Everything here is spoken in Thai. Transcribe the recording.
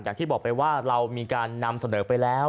อย่างที่บอกไปว่าเรามีการนำเสนอไปแล้ว